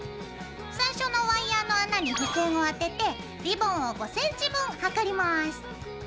最初のワイヤーの穴に付箋をあててリボンを５ｃｍ分はかります。